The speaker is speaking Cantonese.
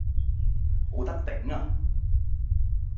冇得頂呀!